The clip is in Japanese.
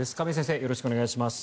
よろしくお願いします。